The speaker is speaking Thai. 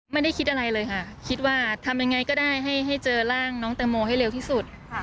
ไม่ได้คิดอะไรเลยค่ะคิดว่าทำยังไงก็ได้ให้เจอร่างน้องแตงโมให้เร็วที่สุด